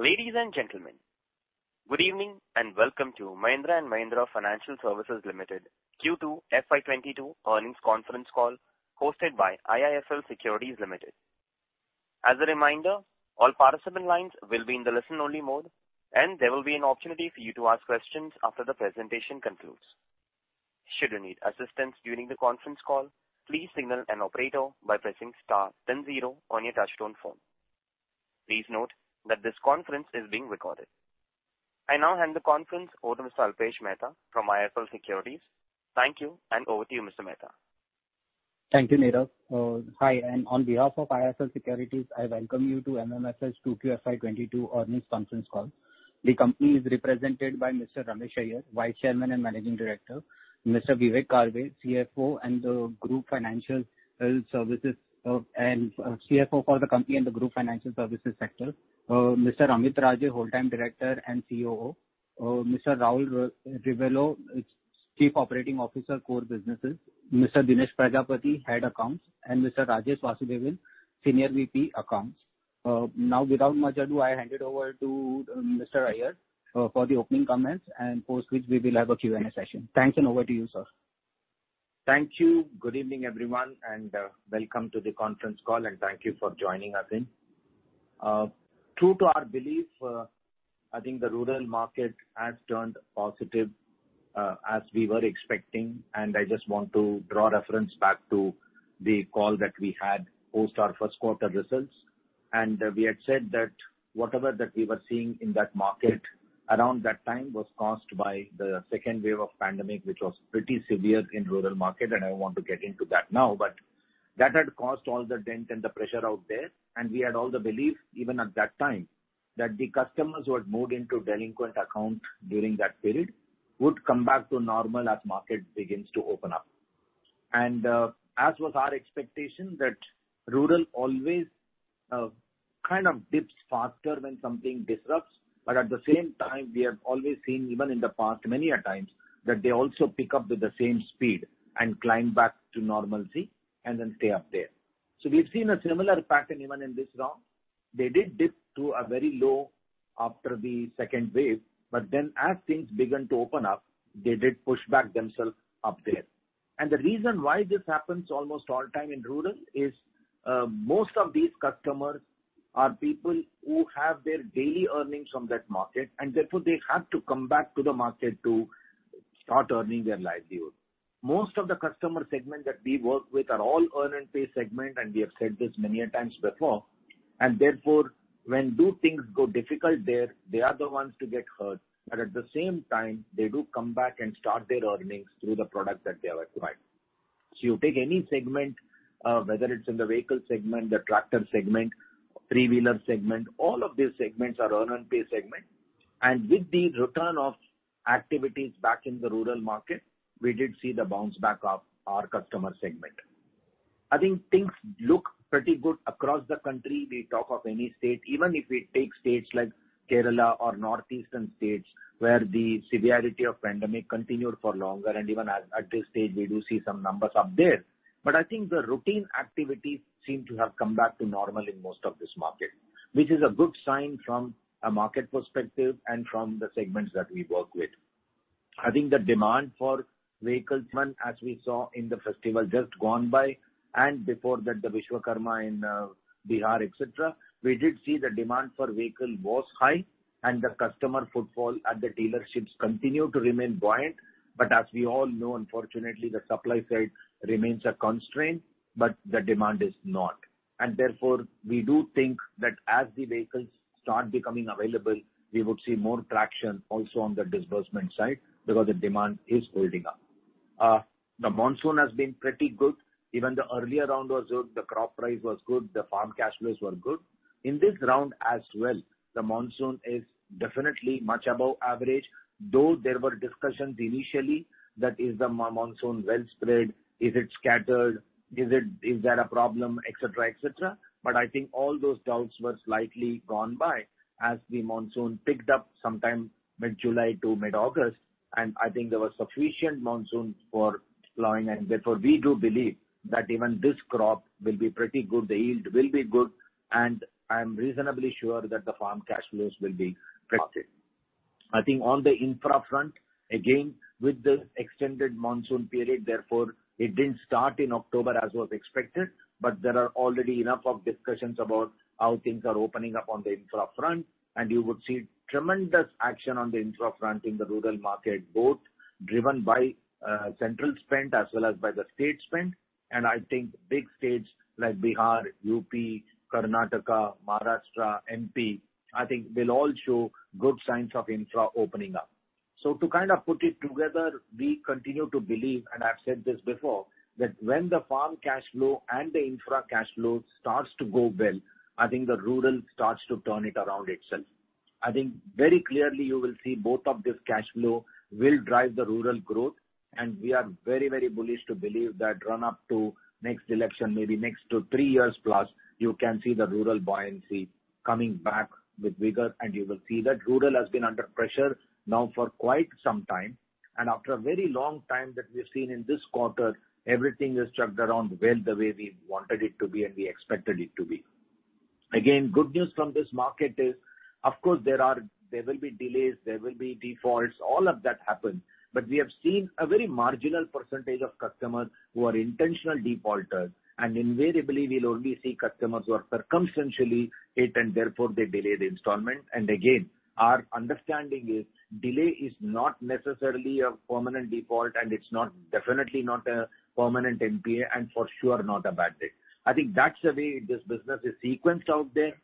Ladies and gentlemen, good evening, and welcome to Mahindra & Mahindra Financial Services Limited Q2 FY22 earnings conference call hosted by IIFL Securities Limited. As a reminder, all participant lines will be in the listen-only mode, and there will be an opportunity for you to ask questions after the presentation concludes. Should you need assistance during the conference call, please signal an operator by pressing star then 0 on your touchtone phone. Please note that this conference is being recorded. I now hand the conference over to Mr. Alpesh Mehta from IIFL Securities. Thank you, and over to you, Mr. Mehta. Thank you, Nirav. Hi, and on behalf of IIFL Securities, I welcome you to MMFS Q2 FY 2022 earnings conference call. The company is represented by Mr. Ramesh Iyer, Vice Chairman and Managing Director. Mr. Vivek Karve, CFO and the Group Financial Services, and CFO for the company in the Group Financial Services sector. Mr. Amit Raje, Whole-Time Director and COO. Mr. Raul Rebello, its Chief Operating Officer, Core Businesses. Mr. Dinesh Prajapati, Head Accounts, and Mr. Rajesh Vasudevan, Senior VP, Accounts. Now without much ado, I hand it over to Mr. Iyer for the opening comments, and post which we will have a Q&A session. Thanks, and over to you, sir. Thank you. Good evening, everyone, and welcome to the conference call, and thank you for joining us in. True to our belief, I think the rural market has turned positive, as we were expecting. I just want to draw reference back to the call that we had post our first quarter results. We had said that whatever that we were seeing in that market around that time was caused by the second wave of pandemic, which was pretty severe in rural market, and I want to get into that now. That had caused all the dent and the pressure out there. We had all the belief, even at that time, that the customers who had moved into delinquent account during that period would come back to normal as market begins to open up. As was our expectation that rural always dips faster when something disrupts, but at the same time, we have always seen, even in the past many a times, that they also pick up with the same speed and climb back to normalcy and then stay up there. We've seen a similar pattern even in this round. They did dip to a very low after the second wave, but then as things began to open up, they did push back themselves up there. The reason why this happens almost all time in rural is most of these customers are people who have their daily earnings from that market, and therefore they have to come back to the market to start earning their livelihood. Most of the customer segment that we work with are all earn and pay segment, and we have said this many a times before. Therefore when do things go difficult there, they are the ones to get hurt, but at the same time, they do come back and start their earnings through the product that they have acquired. You take any segment, whether it's in the vehicle segment, the tractor segment, three-wheeler segment, all of these segments are earn and pay segment. With the return of activities back in the rural market, we did see the bounce back of our customer segment. I think things look pretty good across the country. We talk of any state. Even if we take states like Kerala or northeastern states where the severity of pandemic continued for longer, and even at this stage, we do see some numbers up there. I think the routine activities seem to have come back to normal in most of this market, which is a good sign from a market perspective and from the segments that we work with. I think the demand for vehicle trend as we saw in the festival just gone by and before that, the Vishwakarma in, Bihar, et cetera, we did see the demand for vehicle was high and the customer footfall at the dealerships continued to remain buoyant. As we all know, unfortunately, the supply side remains a constraint, but the demand is not. Therefore, we do think that as the vehicles start becoming available, we would see more traction also on the disbursement side because the demand is building up. The monsoon has been pretty good. Even the earlier round was good. The crop price was good. The farm cash flows were good. In this round as well, the monsoon is definitely much above average, though there were discussions initially that is the monsoon well spread. Is it scattered? Is there a problem, et cetera, et cetera. I think all those doubts were slightly gone by as the monsoon picked up sometime mid-July to mid-August. I think there was sufficient monsoon for sowing. Therefore, we do believe that even this crop will be pretty good. The yield will be good. I'm reasonably sure that the farm cash flows will be positive. I think on the infra front, again, with the extended monsoon period, therefore, it didn't start in October as was expected, but there are already enough of discussions about how things are opening up on the infra front. You would see tremendous action on the infra front in the rural market, both driven by central spend as well as by the state spend. I think big states like Bihar, UP, Karnataka, Maharashtra, MP, I think will all show good signs of infra opening up. To put it together, we continue to believe, and I've said this before, that when the farm cash flow and the infra cash flow starts to go well, I think the rural starts to turn it around itself. I think very clearly you will see both of this cash flow will drive the rural growth. We are very, very bullish to believe that run-up to the next election, maybe the next 2 to 3 years plus, you can see the rural buoyancy coming back with vigor. You will see that rural has been under pressure now for quite some time. After a very long time that we've seen in this quarter, everything has chugged along well the way we wanted it to be and we expected it to be. Again, good news from this market is, of course, there are there will be delays, there will be defaults, all of that happened. We have seen a very marginal percentage of customers who are intentional defaulters, and invariably we'll only see customers who are circumstantially hit, and therefore they delay the installment. Again, our understanding is delay is not necessarily a permanent default, and it's not, definitely not a permanent NPA and for sure not a bad debt. I think that's the way this business is sequenced out there.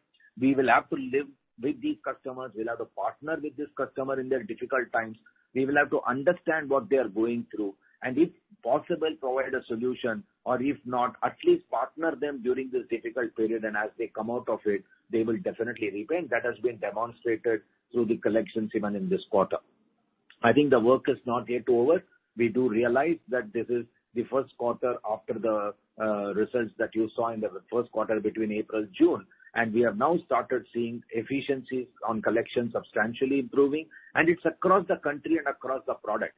We will have to live with these customers. We'll have to partner with this customer in their difficult times. We will have to understand what they are going through, and if possible, provide a solution, or if not, at least partner them during this difficult period, and as they come out of it, they will definitely repay. That has been demonstrated through the collections even in this quarter. I think the work is not yet over. We do realize that this is the first quarter after the results that you saw in the first quarter between April, June. We have now started seeing efficiencies on collections substantially improving. It's across the country and across the product.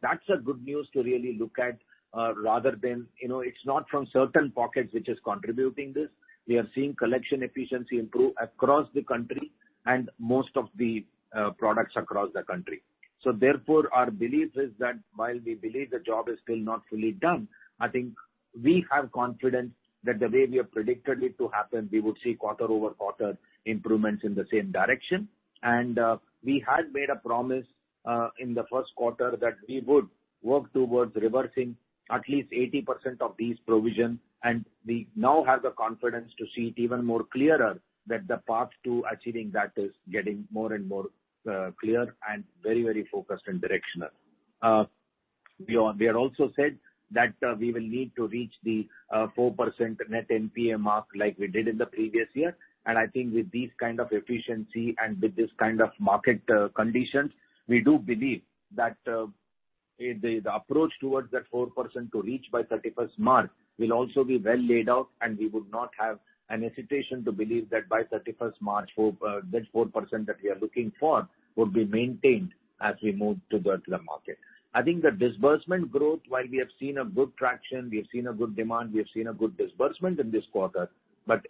That's a good news to really look at, rather than, it's not from certain pockets which is contributing this. We are seeing collection efficiency improve across the country and most of the products across the country. Therefore, our belief is that while we believe the job is still not fully done, I think we have confidence that the way we have predicted it to happen, we would see quarter-over-quarter improvements in the same direction. We had made a promise in the first quarter that we would work towards reversing at least 80% of these provisions, and we now have the confidence to see it even more clearer that the path to achieving that is getting more and more clear and very, very focused and directional. We have also said that we will need to reach the 4% net NPA mark like we did in the previous year. I think with this efficiency and with this market conditions, we do believe that the approach towards that 4% to reach by 31st March will also be well laid out, and we would not have a hesitation to believe that by 31st March, that 4% that we are looking for will be maintained as we move to the market. I think the disbursement growth, while we have seen a good traction, we have seen a good demand, we have seen a good disbursement in this quarter.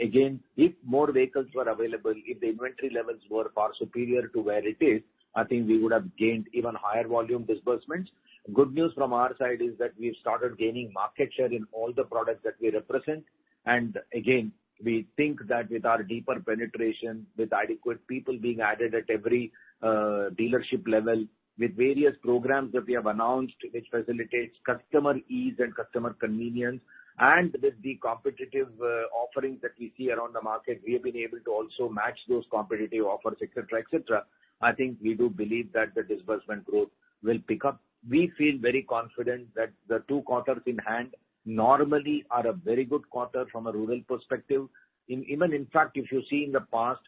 Again, if more vehicles were available, if the inventory levels were far superior to where it is, I think we would have gained even higher volume disbursements. Good news from our side is that we have started gaining market share in all the products that we represent. Again, we think that with our deeper penetration, with adequate people being added at every dealership level, with various programs that we have announced which facilitates customer ease and customer convenience, and with the competitive offerings that we see around the market, we have been able to also match those competitive offers, et cetera, et cetera. I think we do believe that the disbursement growth will pick up. We feel very confident that the two quarters in hand normally are a very good quarter from a rural perspective. Even in fact, if you see in the past,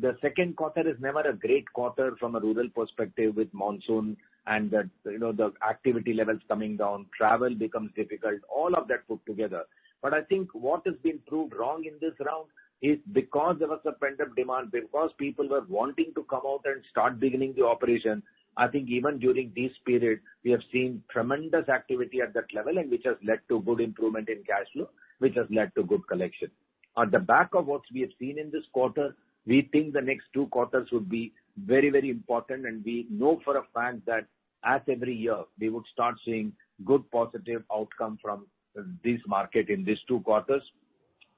the second quarter is never a great quarter from a rural perspective with monsoon and that, the activity levels coming down, travel becomes difficult, all of that put together. I think what has been proved wrong in this round is because there was a pent-up demand, because people were wanting to come out and start beginning the operation. I think even during this period, we have seen tremendous activity at that level and which has led to good improvement in cash flow, which has led to good collection. On the back of what we have seen in this quarter, we think the next two quarters would be very, very important, and we know for a fact that as every year, we would start seeing good positive outcome from this market in these two quarters.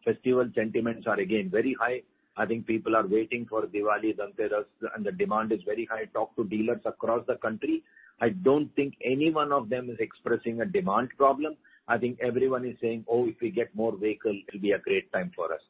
Festival sentiments are again very high. I think people are waiting for Diwali, Dhanteras, and the demand is very high. Talk to dealers across the country, I don't think any one of them is expressing a demand problem. I think everyone is saying, "Oh, if we get more vehicle, it'll be a great time for us."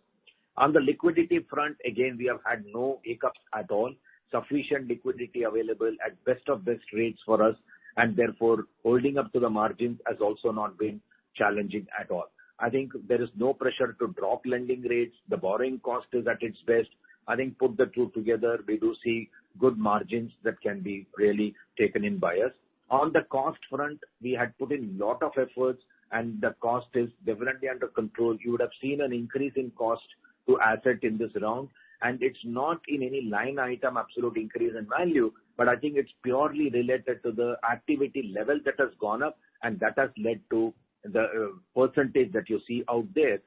On the liquidity front, again, we have had no hiccups at all. Sufficient liquidity available at best of best rates for us, and therefore, holding up to the margins has also not been challenging at all. I think there is no pressure to drop lending rates. The borrowing cost is at its best. I think put the two together, we do see good margins that can be really taken in by us. On the cost front, we had put in lot of efforts and the cost is definitely under control. You would have seen an increase in cost to asset in this round, and it's not in any line item absolute increase in value, but I think it's purely related to the activity level that has gone up and that has led to the percentage that you see out there.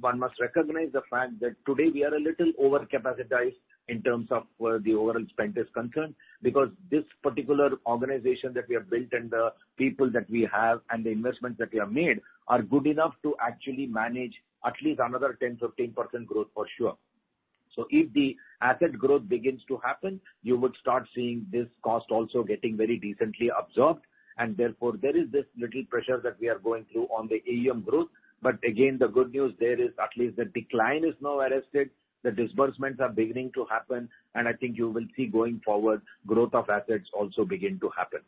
One must recognize the fact that today we are a little over-capacitated in terms of where the overall spend is concerned because this particular organization that we have built and the people that we have and the investments that we have made are good enough to actually manage at least another 10, 15% growth for sure. If the asset growth begins to happen, you would start seeing this cost also getting very decently absorbed. Therefore, there is this little pressure that we are going through on the AUM growth. Again, the good news there is at least the decline is now arrested. The disbursements are beginning to happen. I think you will see going forward, growth of assets also begin to happen.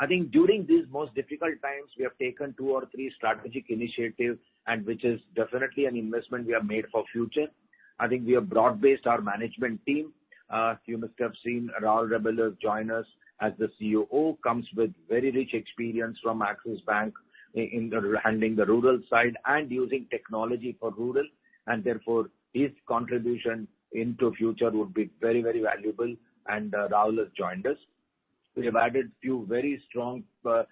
I think during these most difficult times, we have taken two or three strategic initiatives and which is definitely an investment we have made for future. I think we have broad-based our management team. You must have seen Raul Rebello join us as the COO, comes with very rich experience from Axis Bank in handling the rural side and using technology for rural. Raul has joined us. We have added a few very strong resources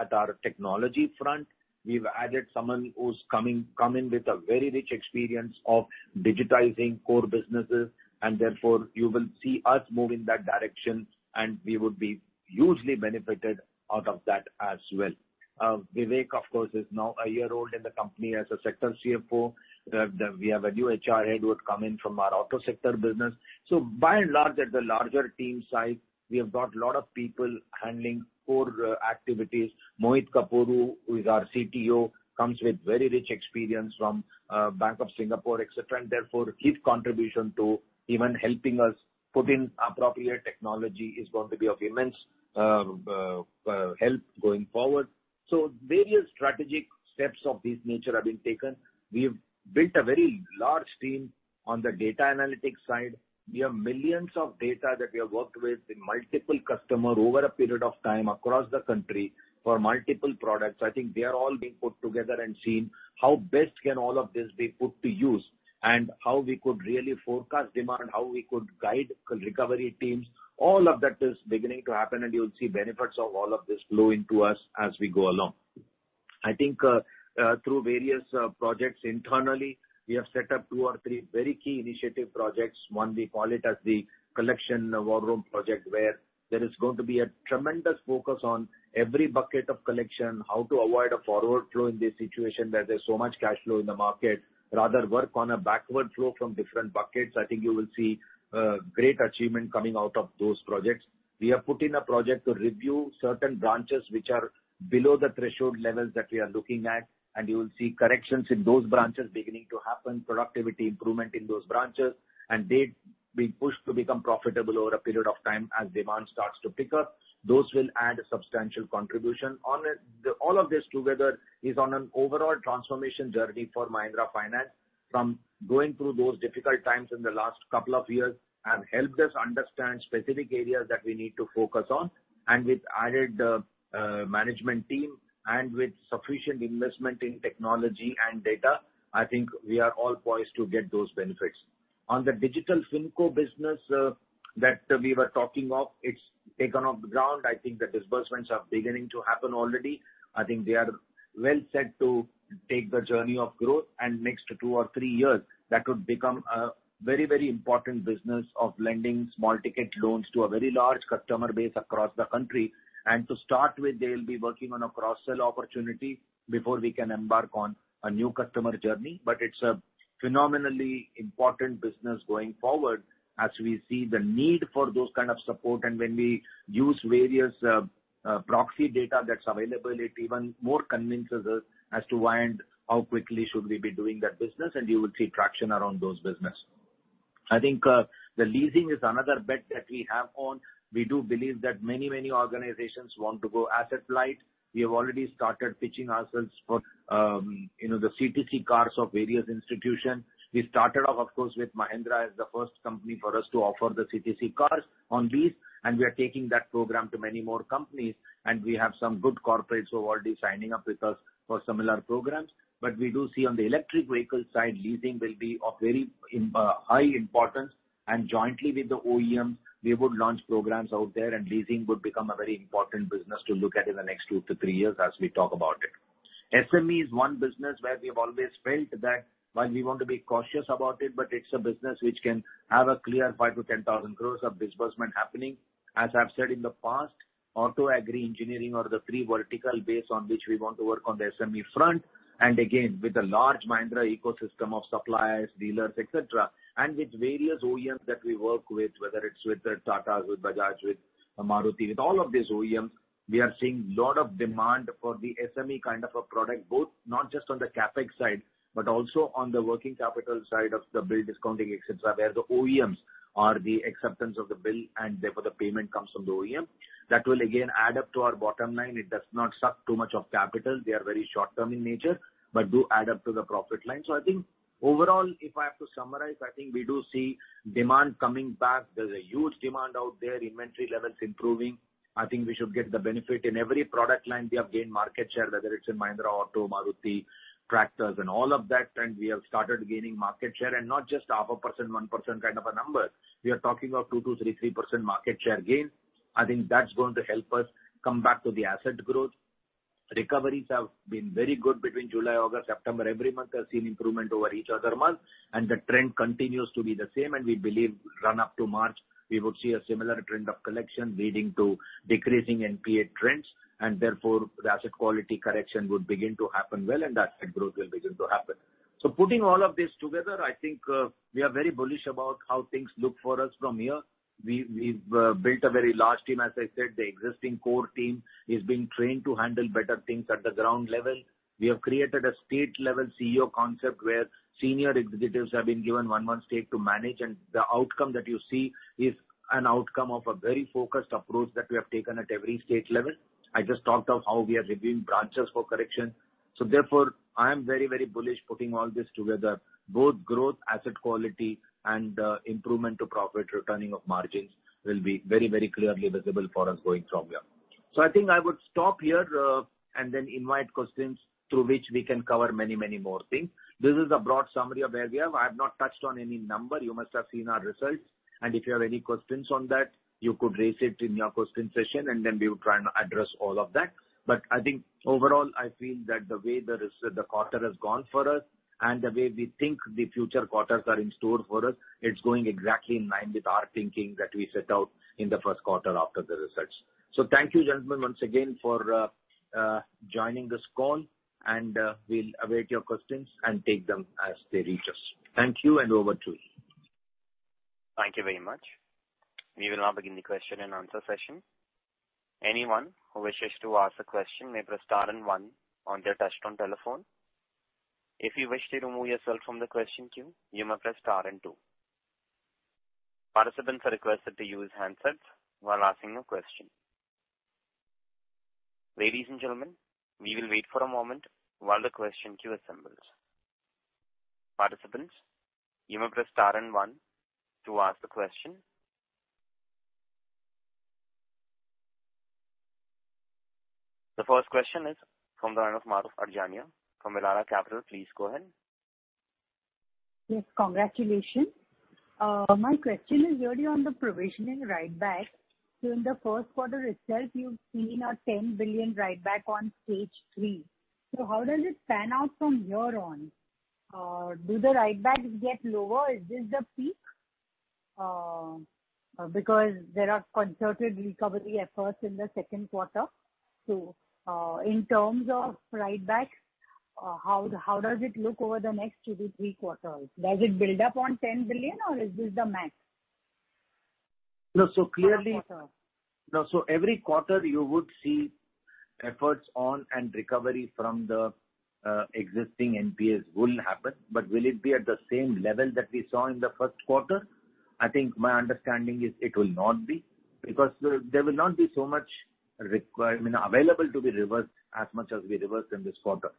at our technology front. We've added someone who's coming with a very rich experience of digitizing core businesses and therefore you will see us move in that direction, and we would be hugely benefited out of that as well. Vivek, of course, is now a year old in the company as a sector CFO. We have a new HR head who would come in from our auto sector business. By and large, at the larger team size, we have got a lot of people handling core activities. Mohit Kapoor, who is our CTO, comes with very rich experience from Bank of Singapore, et cetera, and therefore his contribution to even helping us put in appropriate technology is going to be of immense help going forward. Various strategic steps of this nature have been taken. We have built a very large team on the data analytics side. We have millions of data that we have worked with in multiple customers over a period of time across the country for multiple products. I think they are all being put together and seen how best can all of this be put to use and how we could really forecast demand, how we could guide recovery teams. All of that is beginning to happen and you'll see benefits of all of this flow into us as we go along. I think through various projects internally, we have set up two or three very key initiative projects. One, we call it as the collection war room project, where there is going to be a tremendous focus on every bucket of collection, how to avoid a forward flow in this situation where there's so much cash flow in the market, rather work on a backward flow from different buckets. I think you will see great achievement coming out of those projects. We have put in a project to review certain branches which are below the threshold levels that we are looking at, and you will see corrections in those branches beginning to happen, productivity improvement in those branches, and they being pushed to become profitable over a period of time as demand starts to pick up. Those will add a substantial contribution. All of this together is on an overall transformation journey for Mahindra Finance from going through those difficult times in the last couple of years and helped us understand specific areas that we need to focus on. With added management team and with sufficient investment in technology and data, I think we are all poised to get those benefits. On the digital FinCo business that we were talking of, it's taken off the ground. I think the disbursements are beginning to happen already. I think they are well set to take the journey of growth and next 2 or 3 years that would become a very, very important business of lending small ticket loans to a very large customer base across the country. To start with, they'll be working on a cross-sell opportunity before we can embark on a new customer journey. It's a phenomenally important business going forward as we see the need for those support. When we use various proxy data that's available, it even more convinces us as to why and how quickly should we be doing that business, and you will see traction around those business. I think the leasing is another bet that we have on. We do believe that many, many organizations want to go asset-light. We have already started pitching ourselves for, the CTC cars of various institutions. We started off, of course, with Mahindra as the first company for us to offer the CTC cars on lease, and we are taking that program to many more companies, and we have some good corporates who are already signing up with us for similar programs. We do see on the electric vehicle side, leasing will be of very high importance. Jointly with the OEM, we would launch programs out there and leasing would become a very important business to look at in the next two to 3 years as we talk about it. SME is one business where we have always felt that while we want to be cautious about it, but it's a business which can have a clear 5,000-10,000 crores of disbursement happening. As I've said in the past, auto, agri, engineering are the three verticals based on which we want to work on the SME front. Again, with the large Mahindra ecosystem of suppliers, dealers, et cetera, and with various OEMs that we work with, whether it's with Tata, with Bajaj, with Maruti, with all of these OEMs, we are seeing lot of demand for the SME a product, both not just on the CapEx side, but also on the working capital side of the bill discounting, et cetera, where the OEMs are the acceptance of the bill and therefore the payment comes from the OEM. That will again add up to our bottom line. It does not suck too much of capital. They are very short-term in nature, but do add up to the profit line. I think overall, if I have to summarize, I think we do see demand coming back. There's a huge demand out there, inventory levels improving. I think we should get the benefit. In every product line, we have gained market share, whether it's in Mahindra Auto, Maruti, tractors and all of that. We have started gaining market share and not just half a percent, one percent a number. We are talking of 2 to 3% market share gain. I think that's going to help us come back to the asset growth. Recoveries have been very good between July, August, September. Every month I've seen improvement over each other month, and the trend continues to be the same. We believe run up to March, we will see a similar trend of collection leading to decreasing NPA trends and therefore the asset quality correction would begin to happen well and asset growth will begin to happen. Putting all of this together, I think, we are very bullish about how things look for us from here. We've built a very large team. As I said, the existing core team is being trained to handle better things at the ground level. We have created a state level CEO concept where senior executives have been given one state to manage, and the outcome that you see is an outcome of a very focused approach that we have taken at every state level. I just talked of how we are reviewing branches for correction. Therefore, I am very, very bullish putting all this together, both growth, asset quality and improvement to profit, returning of margins will be very, very clearly visible for us going from here. I think I would stop here and then invite questions through which we can cover many, many more things. This is a broad summary of where we are. I have not touched on any number. You must have seen our results. If you have any questions on that, you could raise it in your question session, and then we will try and address all of that. I think overall, I feel that the way the quarter has gone for us and the way we think the future quarters are in store for us, it's going exactly in line with our thinking that we set out in the first quarter after the results. Thank you, gentlemen, once again for joining this call and we'll await your questions and take them as they reach us. Thank you and over to you. Thank you very much. We will now begin the question and answer session. Anyone who wishes to ask a question may press star and one on their touchtone telephone. If you wish to remove yourself from the question queue, you may press star and two. Participants are requested to use handsets while asking a question. Ladies and gentlemen, we will wait for a moment while the question queue assembles. Participants, you may press star and one to ask the question. The first question is from the line of Mahrukh Adajania from Elara Capital. Please go ahead. Yes. Congratulations. My question is really on the provisioning write-back. In the first quarter itself, you've seen a 10 billion write-back on Stage 3. How does it pan out from here on? Do the write-backs get lower? Is this the peak? Because there are concerted recovery efforts in the second quarter. In terms of write-backs, how does it look over the next 2 to 3 quarters? Does it build up on 10 billion or is this the max? No. Clearly. Per quarter. No. Every quarter you would see efforts on and recovery from the existing NPAs will happen. Will it be at the same level that we saw in the first quarter? I think my understanding is it will not be because there will not be so much requirement available to be reversed as much as we reversed in this quarter.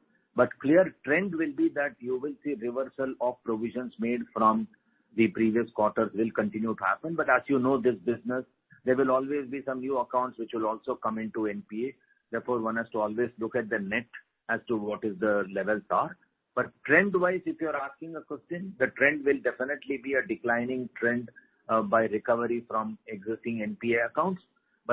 Clear trend will be that you will see reversal of provisions made from the previous quarters will continue to happen. As this business, there will always be some new accounts which will also come into NPA. Therefore, one has to always look at the net as to what is the levels are. Trend wise, if you are asking a question, the trend will definitely be a declining trend by recovery from existing NPA accounts.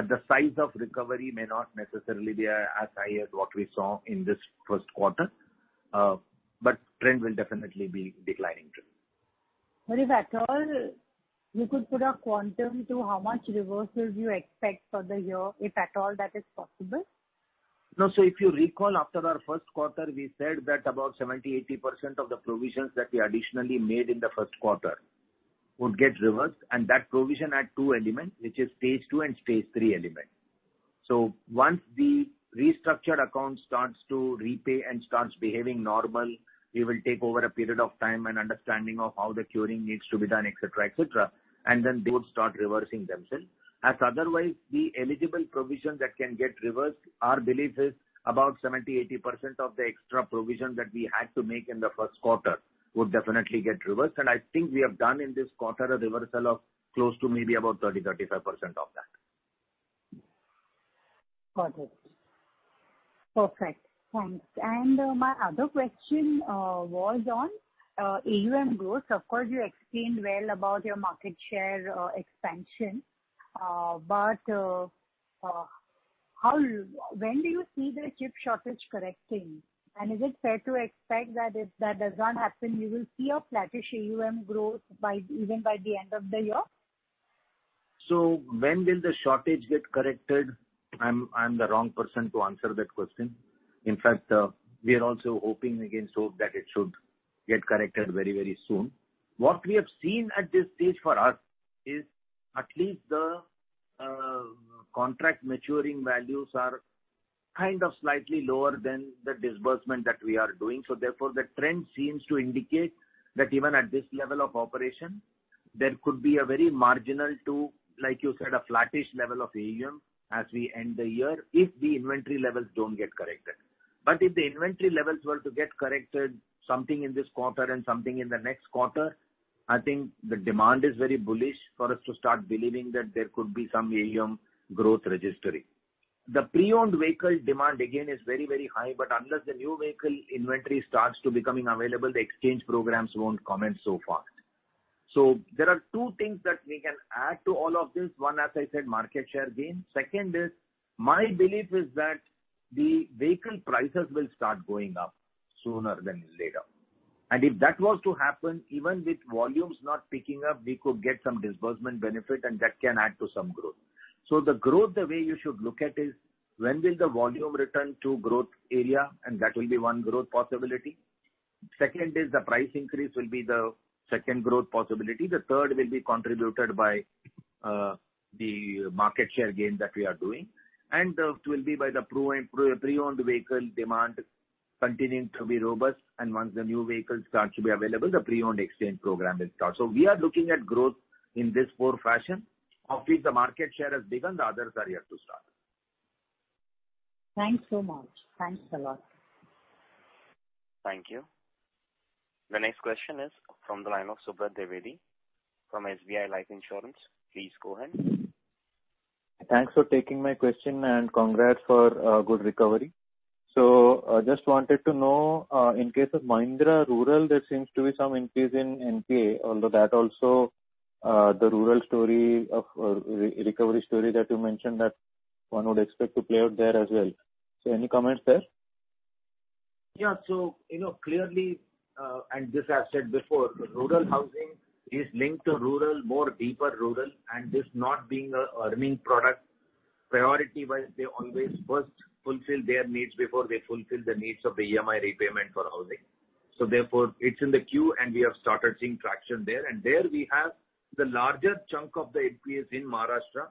The size of recovery may not necessarily be as high as what we saw in this first quarter. Trend will definitely be declining trend. If at all you could put a quantum to how much reversals you expect for the year, if at all that is possible? No. If you recall, after our first quarter, we said that about 70%-80% of the provisions that we additionally made in the first quarter would get reversed. That provision had two elements, which is Stage 2 and Stage 3 element. Once the restructured account starts to repay and starts behaving normal, we will take over a period of time and understanding of how the curing needs to be done, et cetera, et cetera. Then they would start reversing themselves. As otherwise the eligible provision that can get reversed, our belief is about 70%-80% of the extra provision that we had to make in the first quarter would definitely get reversed. I think we have done in this quarter a reversal of close to maybe about 30%-35% of that. Got it. Perfect. Thanks. My other question was on AUM growth. Of course, you explained well about your market share expansion. When do you see the chip shortage correcting? Is it fair to expect that if that does not happen, you will see a flattish AUM growth by even the end of the year? When will the shortage get corrected? I'm the wrong person to answer that question. In fact, we are also hoping against hope that it should get corrected very, very soon. What we have seen at this stage for us is at least the contract maturing values are slightly lower than the disbursement that we are doing. Therefore, the trend seems to indicate that even at this level of operation, there could be a very marginal to, like you said, a flattish level of AUM as we end the year if the inventory levels don't get corrected. If the inventory levels were to get corrected something in this quarter and something in the next quarter, I think the demand is very bullish for us to start believing that there could be some AUM growth registering. The pre-owned vehicle demand again is very, very high. Unless the new vehicle inventory starts to becoming available, the exchange programs won't commence so fast. There are two things that we can add to all of this. One, as I said, market share gain. Second is my belief that the vehicle prices will start going up sooner than later. If that was to happen, even with volumes not picking up, we could get some disbursement benefit and that can add to some growth. The growth, the way you should look at is when will the volume return to growth area? That will be one growth possibility. Second is the price increase will be the second growth possibility. The third will be contributed by the market share gain that we are doing. The fourth will be pre-owned vehicle demand continuing to be robust. Once the new vehicles start to be available, the pre-owned exchange program will start. We are looking at growth in these four fashions. Of which the market share has begun, the others are yet to start. Thanks so much. Thanks a lot. Thank you. The next question is from the line of Subrat Dwibedy from SBI Life Insurance. Please go ahead. Thanks for taking my question and congrats for good recovery. Just wanted to know, in case of Mahindra Rural, there seems to be some increase in NPA, although that also, the rural recovery story that you mentioned that one would expect to play out there as well. Any comments there? clearly, and this I've said before, rural housing is linked to rural, more deeper rural, and this not being a earning product priority wise, they always first fulfill their needs before they fulfill the needs of the EMI repayment for housing. Therefore, it's in the queue, and we have started seeing traction there. There we have the larger chunk of the NPAs in Maharashtra,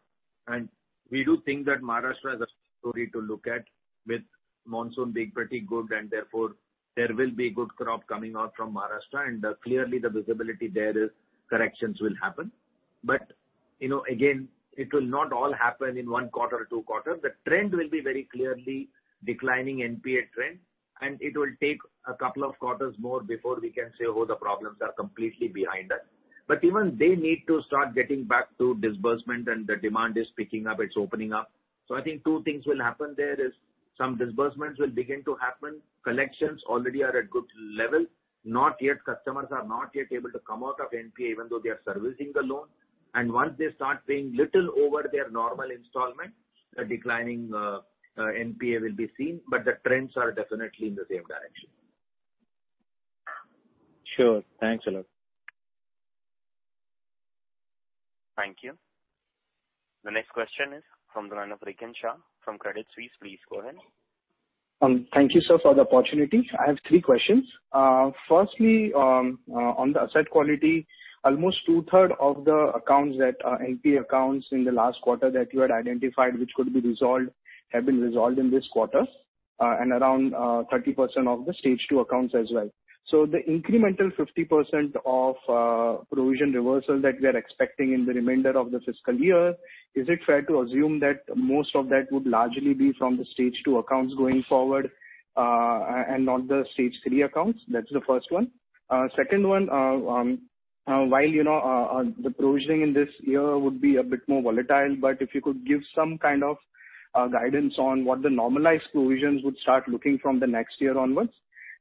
and we do think that Maharashtra is a story to look at with monsoon being pretty good and therefore there will be good crop coming out from Maharashtra, and clearly the visibility there is corrections will happen. again, it will not all happen in one quarter or two quarters. The trend will be very clearly declining NPA trend, and it will take a couple of quarters more before we can say, "Oh, the problems are completely behind us." Even they need to start getting back to disbursement and the demand is picking up, it's opening up. I think two things will happen. There is some disbursements will begin to happen, collections already are at good level. Not yet customers are able to come out of NPA even though they are servicing the loan. Once they start paying little over their normal installment, a declining NPA will be seen, but the trends are definitely in the same direction. Sure. Thanks a lot. Thank you. The next question is from the line of Rikesh Shah from Credit Suisse. Please go ahead. Thank you, sir, for the opportunity. I have 3 questions. Firstly, on the asset quality, almost two-thirds of the accounts that are NPA accounts in the last quarter that you had identified which could be resolved have been resolved in this quarter, and around 30% of the Stage 2 accounts as well. The incremental 50% of provision reversal that we are expecting in the remainder of the fiscal year, is it fair to assume that most of that would largely be from the Stage 2 accounts going forward, and not the Stage 3 accounts? That's the first one. Second one, while the provisioning in this year would be a bit more volatile, but if you could give some guidance on what the normalized provisions would start looking from the next year onwards.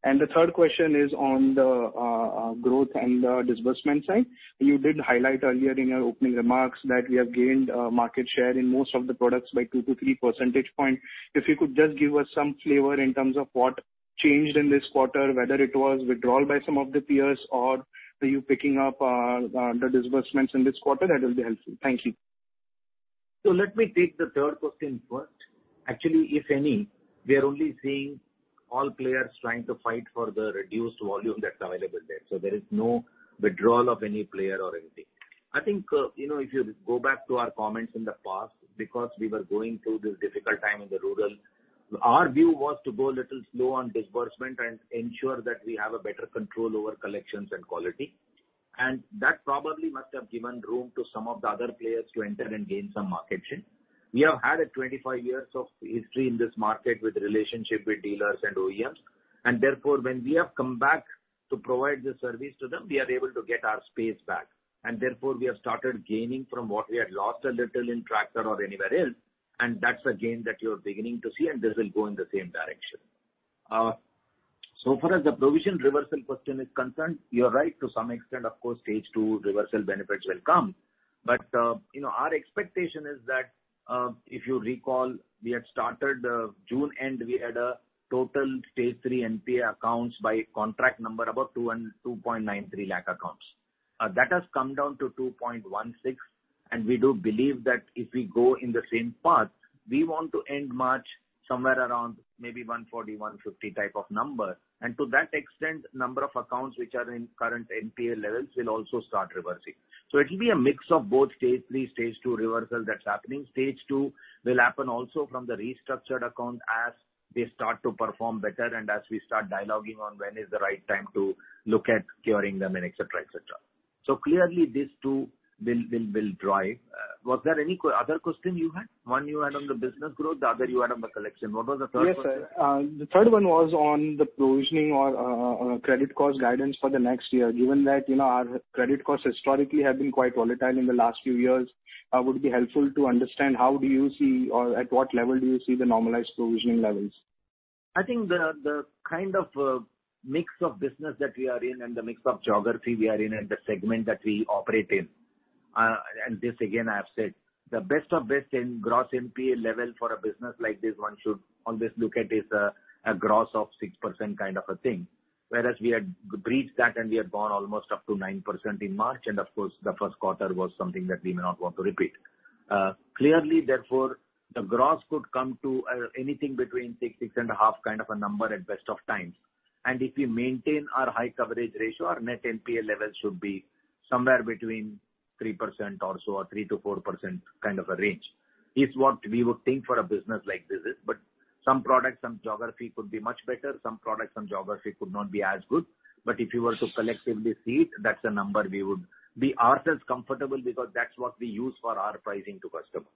The third question is on the growth and the disbursement side. You did highlight earlier in your opening remarks that we have gained market share in most of the products by 2-3 percentage point. If you could just give us some flavor in terms of what changed in this quarter, whether it was withdrawal by some of the peers or were you picking up the disbursements in this quarter, that will be helpful. Thank you. Let me take the third question first. Actually, if any, we are only seeing all players trying to fight for the reduced volume that's available there. There is no withdrawal of any player or anything. I think, if you go back to our comments in the past, because we were going through this difficult time in the rural, our view was to go a little slow on disbursement and ensure that we have a better control over collections and quality. That probably must have given room to some of the other players to enter and gain some market share. We have had 25 years of history in this market with relationship with dealers and OEMs, and therefore, when we have come back to provide the service to them, we are able to get our space back. Therefore, we have started gaining from what we had lost a little in tractor or anywhere else, and that's a gain that you're beginning to see, and this will go in the same direction. So far as the provision reversal question is concerned, you're right to some extent, of course, Stage 2 reversal benefits will come. our expectation is that, if you recall, at June end, we had a total Stage 3 NPA accounts by contract number about 2.293 lakh accounts. That has come down to 2.16, and we do believe that if we go in the same path, we want to end March somewhere around maybe 140, 150 type of number. To that extent, number of accounts which are in current NPA levels will also start reversing. It'll be a mix of both Stage 3, Stage 2 reversal that's happening. Stage 2 will happen also from the restructured account as they start to perform better and as we start dialoguing on when is the right time to look at curing them and et cetera, et cetera. Clearly these two will drive. Was there any other question you had? One you had on the business growth, the other you had on the collection. What was the third question? Yes, sir. The third one was on the provisioning or credit cost guidance for the next year. Given that, our credit costs historically have been quite volatile in the last few years, would it be helpful to understand how do you see or at what level do you see the normalized provisioning levels? I think the mix of business that we are in and the mix of geography we are in and the segment that we operate in, and this again, I have said, the best of best in gross NPA level for a business like this one should always look at is a gross of 6% a thing. Whereas we had breached that and we have gone almost up to 9% in March and of course the first quarter was something that we may not want to repeat. Clearly therefore, the gross could come to anything between 6-6.5 a number at best of times. If we maintain our high coverage ratio, our net NPA level should be somewhere between 3% or so, or 3%-4% a range. It's what we would think for a business like this is. Some products, some geography could be much better, some products, some geography could not be as good. If you were to collectively see it, that's a number we would be ourselves comfortable because that's what we use for our pricing to customer.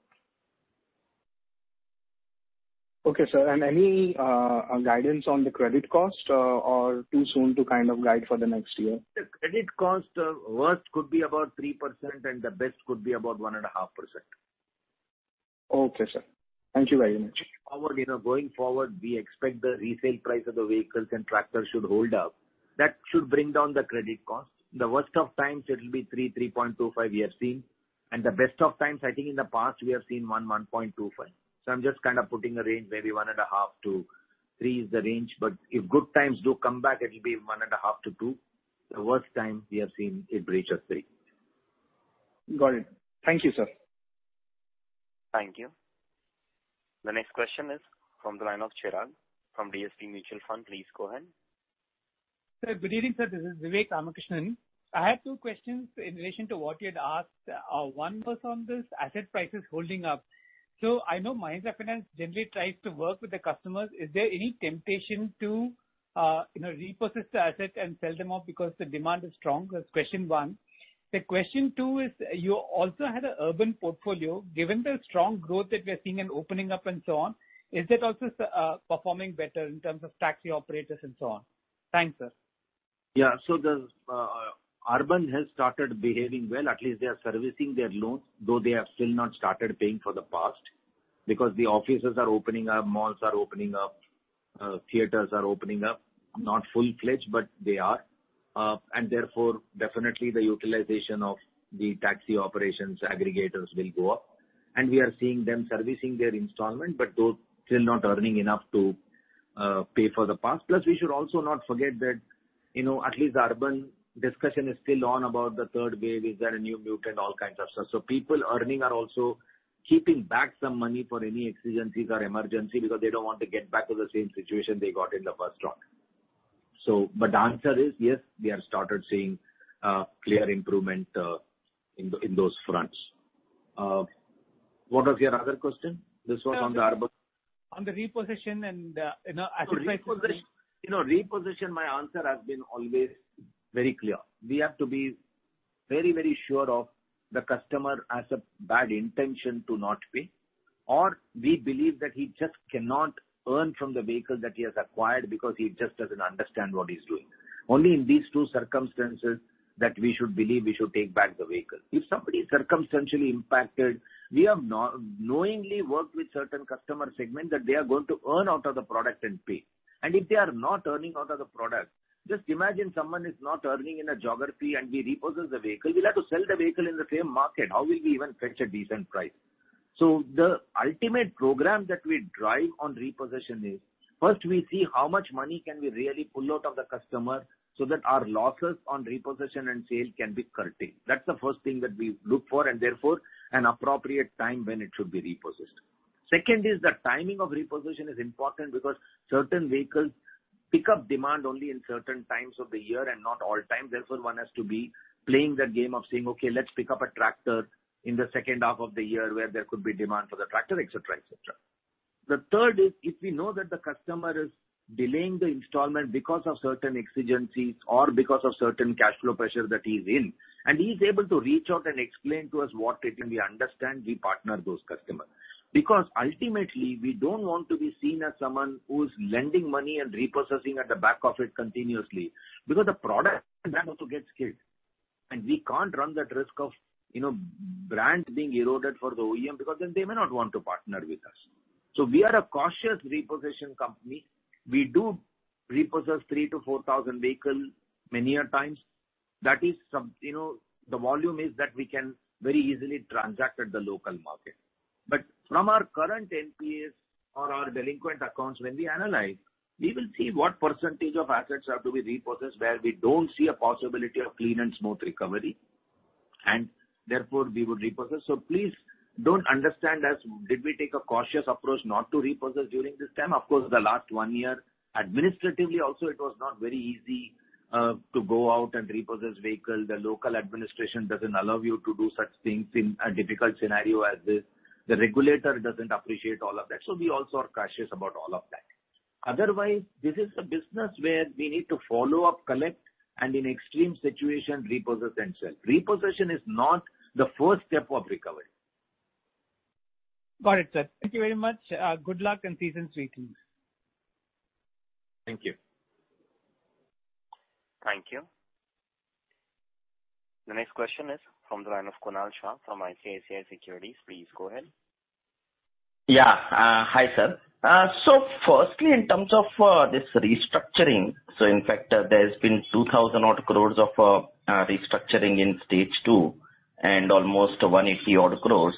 Okay, sir. Any guidance on the credit cost, or too soon to guide for the next year? The credit cost worst could be about 3% and the best could be about 1.5%. Okay, sir. Thank you very much. going forward, we expect the resale price of the vehicles and tractors should hold up. That should bring down the credit cost. The worst of times it'll be 3.25% we have seen, and the best of times, I think in the past we have seen 1.25%. So I'm just putting a range, maybe 1.5%-3% is the range, but if good times do come back it'll be 1.5%-2%. The worst time we have seen it reach at 3%. Got it. Thank you, sir. Thank you. The next question is from the line of Chirag from DSP Mutual Fund. Please go ahead. Sir, good evening, sir. This is Vivek Ramakrishnan. I have two questions in relation to what you had asked. One was on this asset prices holding up. I know Mahindra Finance generally tries to work with the customers. Is there any temptation to, repossess the asset and sell them off because the demand is strong? That's question one. The question two is, you also had a urban portfolio. Given the strong growth that we are seeing and opening up and so on, is that also performing better in terms of taxi operators and so on? Thanks, sir. The urban has started behaving well, at least they are servicing their loans, though they have still not started paying for the past because the offices are opening up, malls are opening up, theaters are opening up. Not full-fledged, but they are. Therefore definitely the utilization of the taxi operations aggregators will go up. We are seeing them servicing their installment, but those still not earning enough to pay for the past. We should also not forget that, at least the urban discussion is still on about the third wave. Is there a new mutant? All kinds of stuff. People earning are also keeping back some money for any exigencies or emergency because they don't want to get back to the same situation they got in the first lockdown. The answer is yes, we have started seeing clear improvement in those fronts. What was your other question? This one on the urban. On the repossession and, asset pricing. repossession, my answer has been always very clear. We have to be very, very sure that the customer has a bad intention to not pay, or we believe that he just cannot earn from the vehicle that he has acquired because he just doesn't understand what he's doing. Only in these two circumstances that we should believe we should take back the vehicle. If somebody is circumstantially impacted, we have knowingly worked with certain customer segment that they are going to earn out of the product and pay. If they are not earning out of the product, just imagine someone is not earning in a geography and we repossess the vehicle, we'll have to sell the vehicle in the same market. How will we even fetch a decent price? The ultimate program that we drive on repossession is first we see how much money can we really pull out of the customer so that our losses on repossession and sale can be curtailed. That's the first thing that we look for and therefore an appropriate time when it should be repossessed. Second is the timing of repossession is important because certain vehicles pick up demand only in certain times of the year and not all time. Therefore, one has to be playing that game of saying, "Okay, let's pick up a tractor in the second half of the year where there could be demand for the tractor," et cetera, et cetera. The third is if we know that the customer is delaying the installment because of certain exigencies or because of certain cash flow pressure that he's in, and he's able to reach out and explain to us what it is, we understand, we partner those customers. Because ultimately we don't want to be seen as someone who's lending money and repossessing at the back of it continuously because the product brand also gets killed. We can't run that risk of brand being eroded for the OEM because then they may not want to partner with us. We are a cautious repossession company. We do repossess 3-4 thousand vehicle many a times. That is some, the volume is that we can very easily transact at the local market. From our current NPAs or our delinquent accounts, when we analyze, we will see what percentage of assets have to be repossessed, where we don't see a possibility of clean and smooth recovery, and therefore we would repossess. Please don't understand as did we take a cautious approach not to repossess during this time. Of course, the last one year, administratively also it was not very easy, to go out and repossess vehicle. The local administration doesn't allow you to do such things in a difficult scenario as this. The regulator doesn't appreciate all of that, so we also are cautious about all of that. Otherwise, this is a business where we need to follow up, collect, and in extreme situation, repossess and sell. Repossession is not the first step of recovery. Got it, sir. Thank you very much. Good luck and season's greetings. Thank you. Thank you. The next question is from the line of Kunal Shah from ICICI Securities. Please go ahead. Hi, sir. Firstly, in terms of this restructuring, in fact there's been 2,000-odd crore of restructuring in Stage 2 and almost 180-odd crore.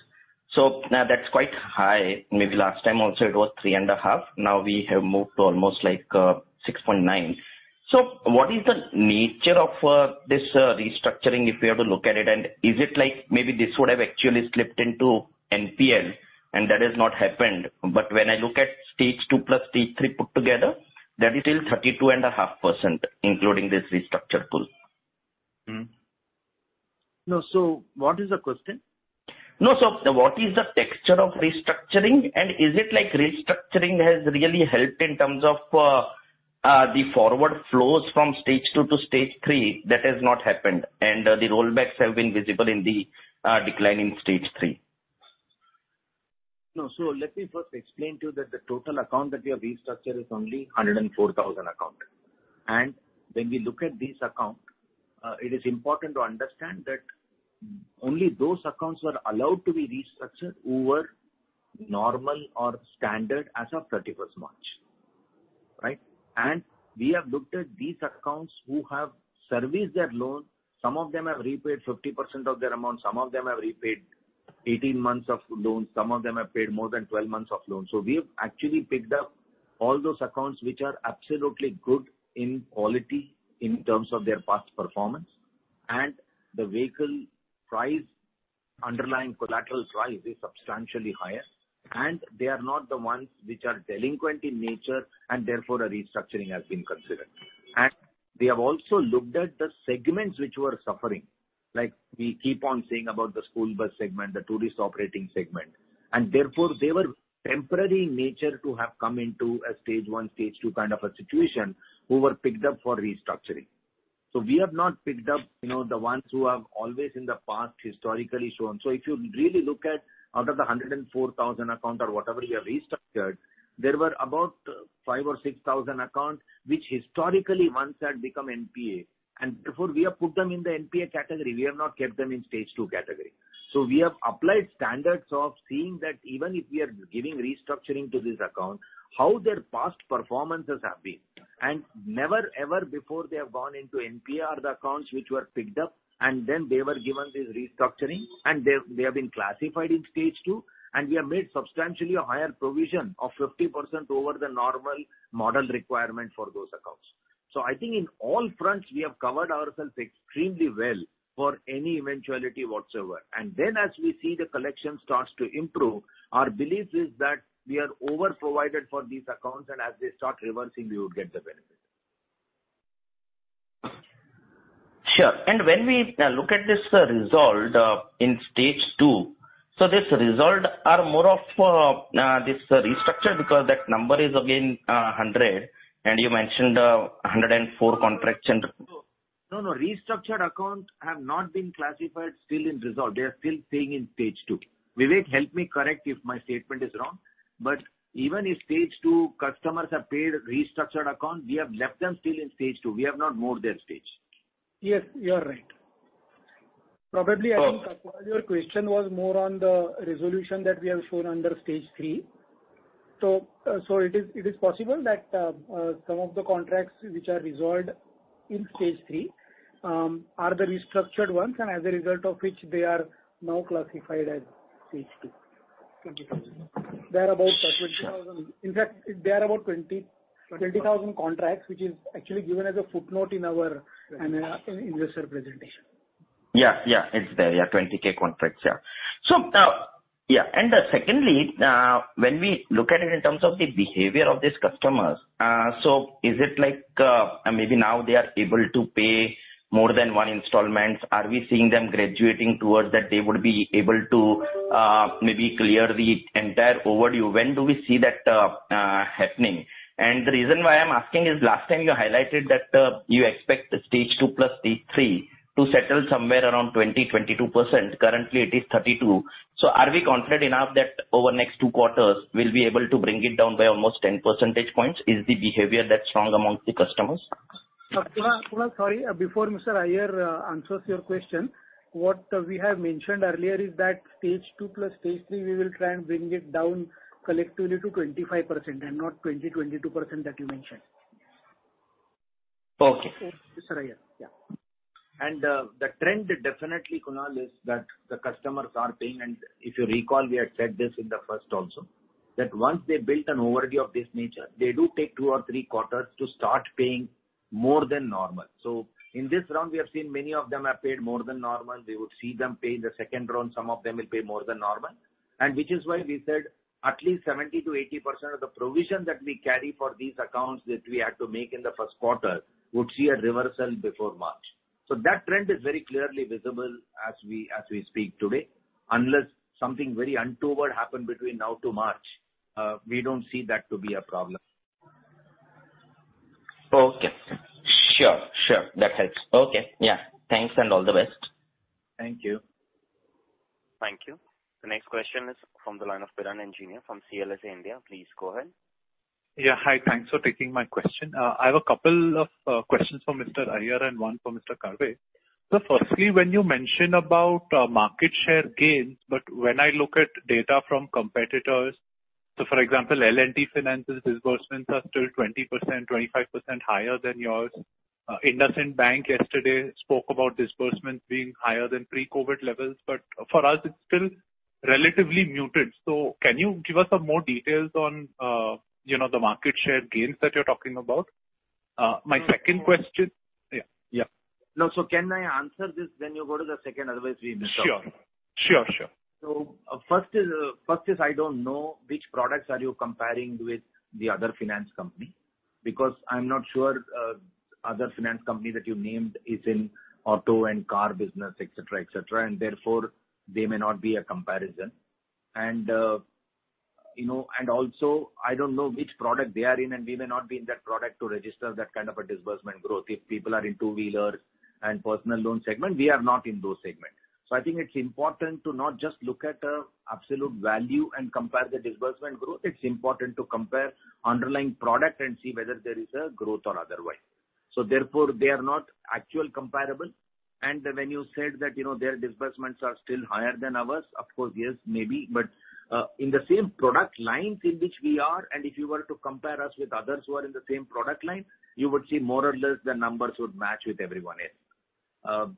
That's quite high. Maybe last time also it was 3.5%. Now we have moved to almost 6.9%. What is the nature of this restructuring, if you have to look at it? And is it like maybe this would have actually slipped into NPL and that has not happened? But when I look at Stage 2 plus Stage 3 put together, that is still 32.5%, including this restructure pool. No. What is the question? No. What is the texture of restructuring and is it like restructuring has really helped in terms of the forward flows from Stage 2 to Stage 3, that has not happened, and the rollbacks have been visible in the decline in Stage 3. No. Let me first explain to you that the total account that we have restructured is only 104,000 account. When we look at this account, it is important to understand that only those accounts were allowed to be restructured who were normal or standard as of March 31, right? We have looked at these accounts who have serviced their loan. Some of them have repaid 50% of their amount. Some of them have repaid 18 months of loans. Some of them have paid more than 12 months of loans. We have actually picked up all those accounts which are absolutely good in quality in terms of their past performance and the vehicle price, underlying collaterals price is substantially higher, and they are not the ones which are delinquent in nature and therefore a restructuring has been considered. We have also looked at the segments which were suffering, like we keep on saying about the school bus segment, the tourist operating segment, and therefore they were temporary in nature to have come into a Stage 1, Stage 2 a situation who were picked up for restructuring. We have not picked up, the ones who have always in the past historically shown. If you really look at out of the 104,000 accounts or whatever we have restructured, there were about 5,000 or 6,000 accounts which historically once had become NPA, and therefore we have put them in the NPA category. We have not kept them in Stage 2 category. We have applied standards of seeing that even if we are giving restructuring to this account, how their past performances have been and never ever before they have gone into NPA are the accounts which were picked up and then they were given this restructuring and they have been classified in Stage 2 and we have made substantially a higher provision of 50% over the normal model requirement for those accounts. I think in all fronts we have covered ourselves extremely well for any eventuality whatsoever. As we see the collection starts to improve, our belief is that we are over-provided for these accounts and as they start reversing, we would get the benefit. Sure. When we look at this resolved in Stage 2, so this resolved are more of this restructure because that number is again 100 and you mentioned 104 contracts and- No, no. Restructured accounts have not been classified still in resolved. They are still paying in Stage 2. Vivek, help me correct if my statement is wrong, but even if Stage 2 customers have paid restructured account, we have left them still in Stage 2. We have not moved their stage. Yes, you are right. Probably, I think your question was more on the resolution that we have shown under Stage 3. It is possible that some of the contracts which are resolved in Stage 3 are the restructured ones and as a result of which they are now classified as Stage 2. 20,000. There are about 20,000. In fact, there are about 20,000 contracts, which is actually given as a footnote in our investor presentation. it's there. 20K contracts, Secondly, when we look at it in terms of the behavior of these customers, so is it like, maybe now they are able to pay more than one installments? Are we seeing them graduating towards that they would be able to, maybe clear the entire overdue? When do we see that happening? The reason why I'm asking is last time you highlighted that you expect Stage 2 plus Stage 3 to settle somewhere around 20%-22%. Currently it is 32%. Are we confident enough that over the next two quarters we'll be able to bring it down by almost 10 percentage points? Is the behavior that strong among the customers? Kunal, sorry. Before Mr. Iyer answers your question, what we have mentioned earlier is that Stage 2 plus Stage 3, we will try and bring it down collectively to 25% and not 22% that you mentioned. Okay. Mr. Iyer. The trend definitely, Kunal, is that the customers are paying, and if you recall, we had said this in the first also, that once they built an overdue of this nature, they do take two or three quarters to start paying more than normal. In this round we have seen many of them have paid more than normal. We would see them pay in the second round, some of them will pay more than normal. Which is why we said at least 70%-80% of the provision that we carry for these accounts that we had to make in the first quarter would see a reversal before March. That trend is very clearly visible as we speak today. Unless something very untoward happen between now to March, we don't see that to be a problem. Okay. Sure, sure. That helps. Okay. Thanks and all the best. Thank you. Thank you. The next question is from the line of Piran Engineer from CLSA India. Please go ahead. Hi. Thanks for taking my question. I have a couple of questions for Mr. Iyer and one for Mr. Karve. Firstly, when you mention about market share gains, but when I look at data from competitors, for example, L&T Finance's disbursements are still 20%, 25% higher than yours. IndusInd Bank yesterday spoke about disbursements being higher than pre-COVID levels, but for us it's still relatively muted. Can you give us some more details on, the market share gains that you're talking about? My second question- No. Can I answer this? Then you go to the second, otherwise we miss out. Sure. First, I don't know which products are you comparing with the other finance company, because I'm not sure the other finance company that you named is in auto and car business, et cetera, et cetera, and therefore they may not be a comparison. and also, I don't know which product they are in, and we may not be in that product to register that a disbursement growth. If people are in two-wheeler and personal loan segment, we are not in those segments. I think it's important to not just look at the absolute value and compare the disbursement growth. It's important to compare underlying product and see whether there is a growth or otherwise. Therefore, they are not actually comparable. When you said that, their disbursements are still higher than ours, of course, yes, maybe. In the same product lines in which we are and if you were to compare us with others who are in the same product line, you would see more or less the numbers would match with everyone else.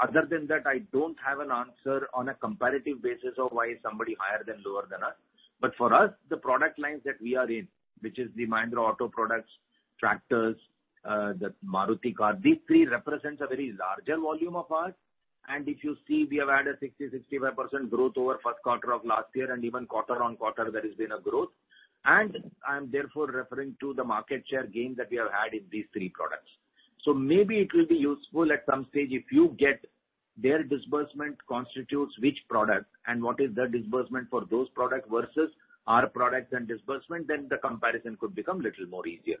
Other than that, I don't have an answer on a comparative basis of why is somebody higher than, lower than us. For us, the product lines that we are in, which is the Mahindra Auto products, tractors, the Maruti car, these three represents a very larger volume of ours. If you see, we have had a 65% growth over first quarter of last year and even quarter-on-quarter there has been a growth. I am therefore referring to the market share gain that we have had in these three products. Maybe it will be useful at some stage if you get their disbursement constitutes which product and what is the disbursement for those product versus our product and disbursement, then the comparison could become little more easier.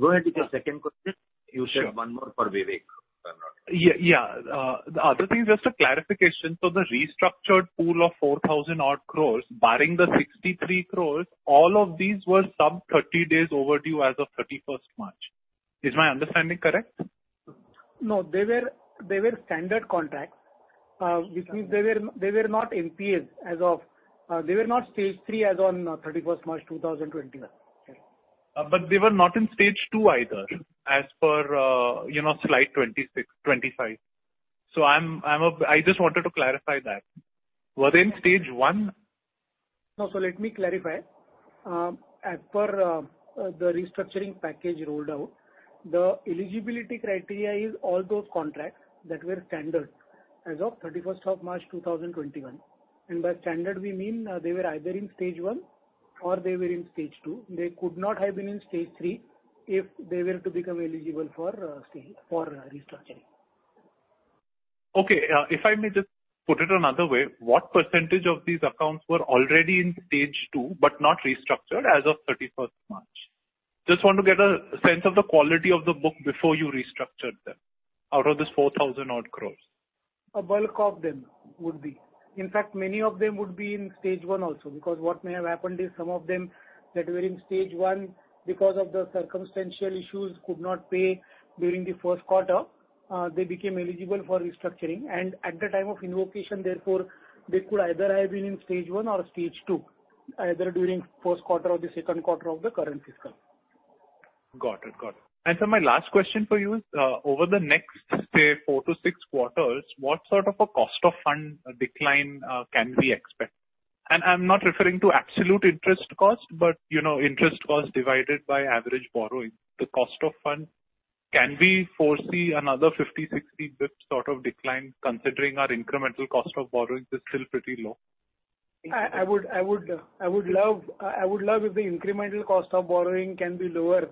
Go ahead with your second question. Sure. You said one more for Vivek, if I'm not wrong. The other thing, just a clarification. The restructured pool of 4,000-odd crores, barring the 63 crores, all of these were some 30 days overdue as of 31st March. Is my understanding correct? No, they were standard contracts, which means they were not NPAs as of 31 March 2021. They were not Stage 3 as on 31 March 2021. They were not in Stage 2 either as per, slide 25. I just wanted to clarify that. Were they in Stage 1? No. Let me clarify. As per the restructuring package rolled out, the eligibility criteria is all those contracts that were standard as of 31st of March, 2021. By standard, we mean they were either in Stage 1 or they were in Stage 2. They could not have been in Stage 3 if they were to become eligible for restructuring. Okay. If I may just put it another way, what percentage of these accounts were already in Stage 2 but not restructured as of thirty-first March? Just want to get a sense of the quality of the book before you restructured them out of this 4,000-odd crore. A bulk of them would be. In fact, many of them would be in stage one also, because what may have happened is some of them that were in stage one because of the circumstantial issues could not pay during the first quarter, they became eligible for restructuring. At the time of invocation, therefore, they could either have been in stage one or stage two, either during first quarter or the second quarter of the current fiscal. Got it. My last question for you is, over the next, say, 4-6 quarters, what a cost of fund decline can we expect? I'm not referring to absolute interest cost, but, interest cost divided by average borrowing. The cost of fund, can we foresee another 50, 60 basis points decline considering our incremental cost of borrowing is still pretty low? I would love if the incremental cost of borrowing can be lower,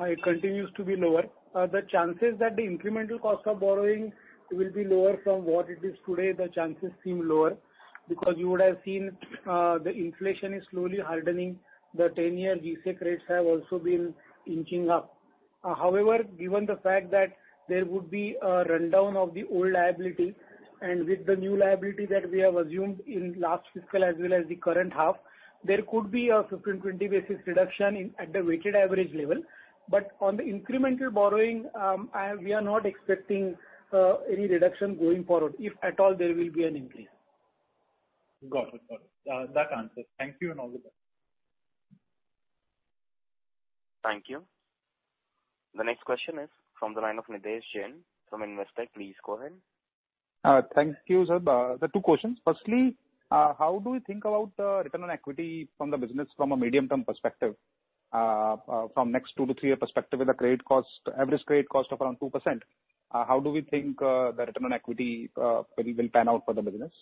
it continues to be lower. The chances that the incremental cost of borrowing will be lower from what it is today, the chances seem lower because you would have seen, the inflation is slowly hardening. The 10-year G-Sec rates have also been inching up. However, given the fact that there would be a rundown of the old liability and with the new liability that we have assumed in last fiscal as well as the current half, there could be a 15-20 basis reduction in, at the weighted average level. On the incremental borrowing, we are not expecting any reduction going forward. If at all, there will be an increase. Got it. That answers. Thank you and all the best. Thank you. The next question is from the line of Nidhesh Jain from Investec. Please go ahead. Thank you, sir. There are two questions. Firstly, how do you think about the return on equity from the business from a medium-term perspective? From next 2-3 year perspective with a credit cost, average credit cost of around 2%, how do we think the return on equity maybe will pan out for the business?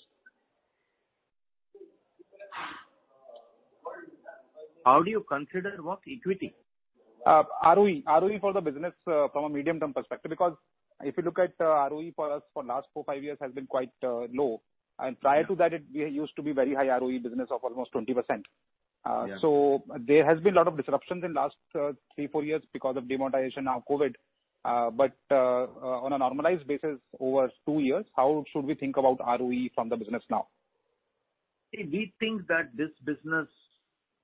How do you consider what equity? ROE for the business from a medium-term perspective, because if you look at ROE for us for last 4, 5 years has been quite low. Prior to that, we used to be very high ROE business of almost 20%. There has been a lot of disruptions in the last 3, 4 years because of demonetization and now COVID. On a normalized basis over 2 years, how should we think about ROE from the business now? See, we think that this business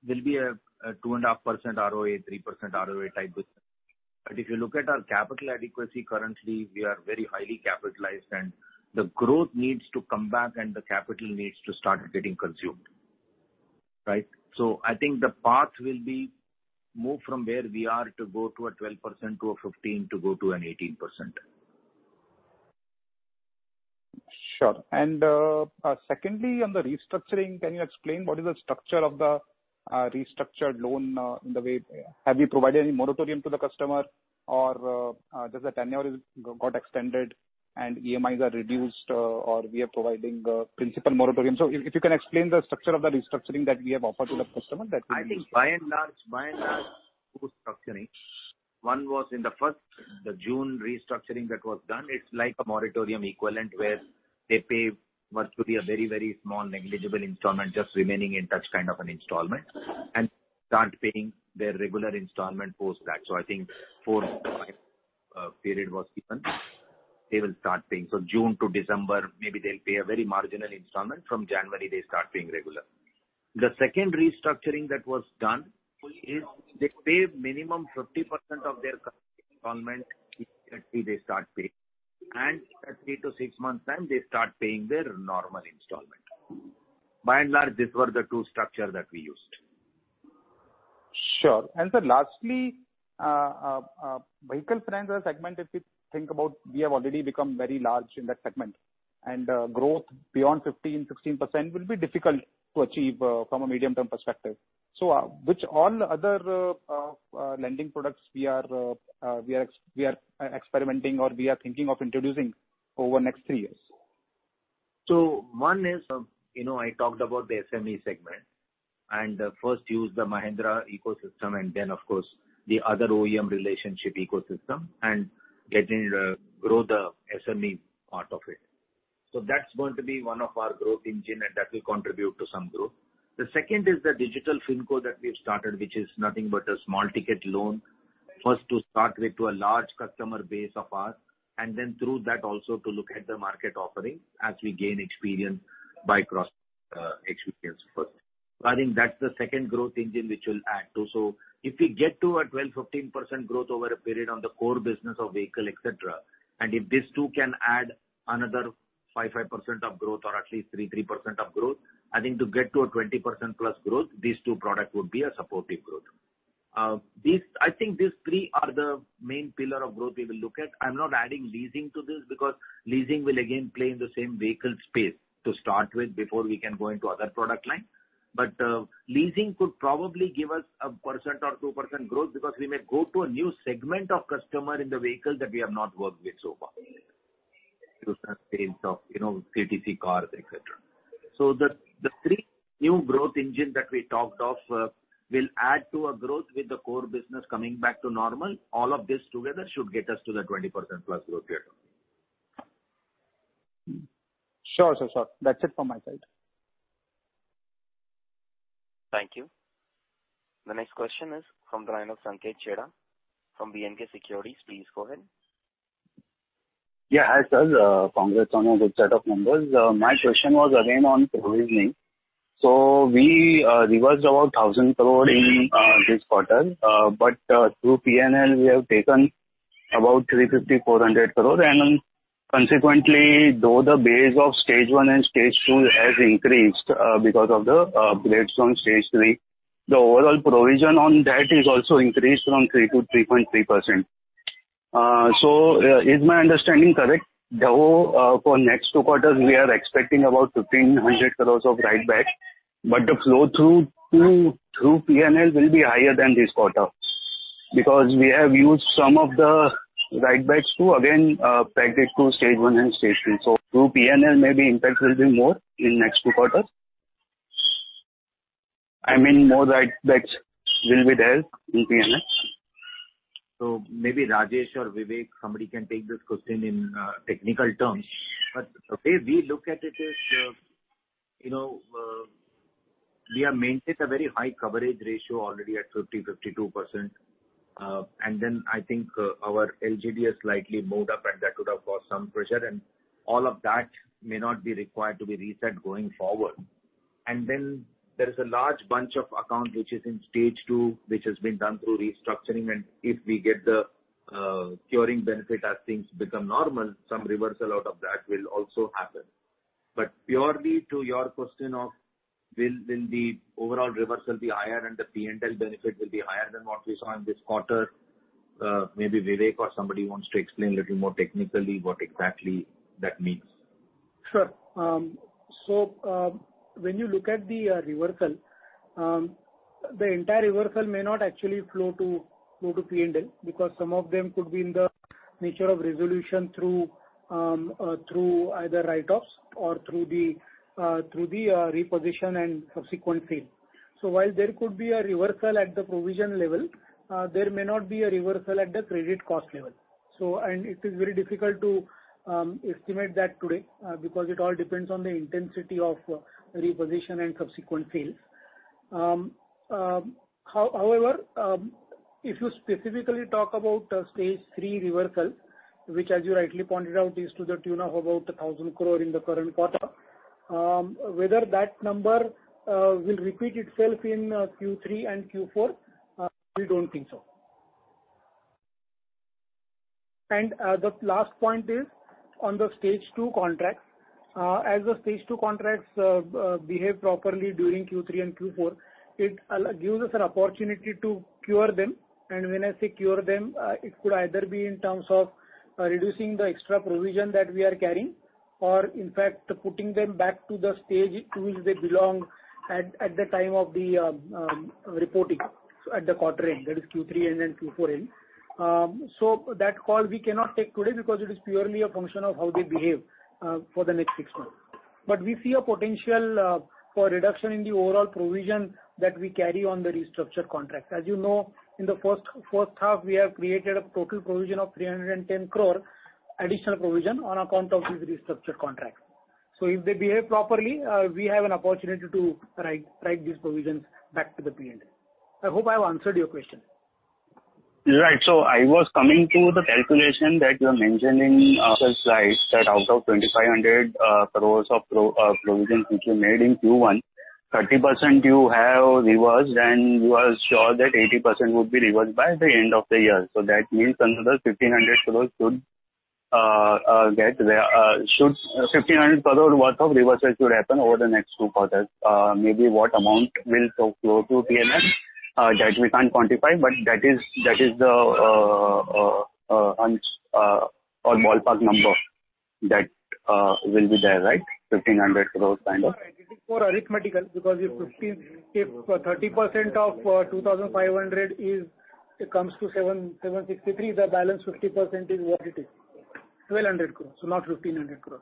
will be a 2.5% ROA, 3% ROA type business. If you look at our capital adequacy currently, we are very highly capitalized and the growth needs to come back and the capital needs to start getting consumed, right? I think the path will be more from where we are to go to a 12% to a 15% to go to an 18%. Sure. Secondly, on the restructuring, can you explain what is the structure of the restructured loan in the way. Have you provided any moratorium to the customer or does the tenure is got extended and EMIs are reduced or we are providing principal moratorium? So if you can explain the structure of the restructuring that we have offered to the customer, that will be useful. One was in the first, the June restructuring that was done. It's like a moratorium equivalent where they pay virtually a very, very small negligible installment just remaining in touch an installment and start paying their regular installment post that. I think 4-5 period was given, they will start paying. June to December, maybe they'll pay a very marginal installment. From January, they start paying regular. The second restructuring that was done is they pay minimum 50% of their installment, immediately they start paying. At 3-6 months time, they start paying their normal installment. By and large, these were the two structure that we used. Sure. Sir, lastly, vehicle finance as a segment, if we think about, we have already become very large in that segment, and growth beyond 15%-16% will be difficult to achieve from a medium-term perspective. Which all other lending products we are experimenting or we are thinking of introducing over the next 3 years? One is, I talked about the SME segment, and first use the Mahindra ecosystem and then of course, the other OEM relationship ecosystem and letting it grow the SME part of it. That's going to be one of our growth engine and that will contribute to some growth. The second is the digital FinCo that we've started, which is nothing but a small ticket loan. First to start with to a large customer base of ours, and then through that also to look at the market offering as we gain experience by cross experience first. I think that's the second growth engine which will add to. If we get to a 12-15% growth over a period on the core business of vehicle, etc., and if these two can add another 5% of growth or at least 3% of growth, I think to get to a 20%+ growth, these two product would be a supportive growth. These -- I think these three are the main pillar of growth we will look at. I'm not adding leasing to this because leasing will again play in the same vehicle space to start with before we can go into other product line. Leasing could probably give us a 1% or 2% growth because we may go to a new segment of customer in the vehicle that we have not worked with so far. To that space of CTC cars, etc. The three new growth engine that we talked of will add to a growth with the core business coming back to normal. All of this together should get us to the 20%+ growth rate. Sure. That's it from my side. Thank you. The next question is from the line of Sanket Chheda from B&K Securities. Please go ahead. Hi, sir. Congrats on a good set of numbers. My question was again on provisioning. We reversed about 1,000 crore in this quarter, but through P&L, we have taken about 350-400 crore. Consequently, though the base of Stage 1 and Stage 2 has increased, because of the upgrades from Stage 3, the overall provision on that is also increased from 3% to 3.3%. Is my understanding correct, though, for next two quarters, we are expecting about 1,500 crores of write back, but the flow through to P&L will be higher than this quarter because we have used some of the write backs to again pack it to Stage 1 and Stage 2. Through P&L, maybe impact will be more in next two quarters? more write backs will be there in P&L. Maybe Rajesh or Vivek, somebody can take this question in technical terms. The way we look at it is, we have maintained a very high coverage ratio already at 50%-52%. I think our LGD has slightly moved up and that could have caused some pressure, and all of that may not be required to be reset going forward. There is a large bunch of accounts which is in Stage 2, which has been done through restructuring. If we get the curing benefit as things become normal, some reversal out of that will also happen. Purely to your question of will the overall reversal be higher and the P&L benefit will be higher than what we saw in this quarter, maybe Vivek or somebody wants to explain a little more technically what exactly that means. Sure. When you look at the reversal, the entire reversal may not actually flow to P&L because some of them could be in the nature of resolution through either write-offs or through the repossession and subsequent sale. While there could be a reversal at the provision level, there may not be a reversal at the credit cost level. It is very difficult to estimate that today because it all depends on the intensity of repossession and subsequent sales. However, if you specifically talk about a Stage 3 reversal, which as you rightly pointed out, is to the tune of about 1,000 crore in the current quarter, whether that number will repeat itself in Q3 and Q4, we don't think so. The last point is on the Stage 2 contracts. As the Stage 2 contracts behave properly during Q3 and Q4, it gives us an opportunity to cure them. When I say cure them, it could either be in terms of reducing the extra provision that we are carrying or in fact, putting them back to the stage to which they belong at the time of the reporting at the quarter end, that is Q3 end and Q4 end. That call we cannot take today because it is purely a function of how they behave for the next 6 months. We see a potential for reduction in the overall provision that we carry on the restructured contract. As in the first half, we have created a total provision of 310 crore additional provision on account of these restructured contracts. If they behave properly, we have an opportunity to write these provisions back to the P&L. I hope I have answered your question. Right. I was coming to the calculation that you are mentioning, that out of 2,500 crore of provisions which you made in Q1, 30% you have reversed and you are sure that 80% would be reversed by the end of the year. That means another INR 1,500 crore could get there. Fifteen hundred crore worth of reversals would happen over the next two quarters. Maybe what amount will flow to P&L that we can't quantify, but that is the or ballpark number that will be there, right? 1,500 crore You are right. It is more arithmetical because if 30% of 2,500 is, it comes to 763, the balance 50% is what it is. 1,200 crores, so not INR 1,500 crores.